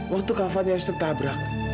waktu kafa nyaris tertabrak